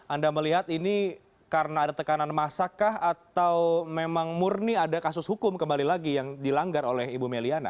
anda melihat ini karena ada tekanan masakah atau memang murni ada kasus hukum kembali lagi yang dilanggar oleh ibu meliana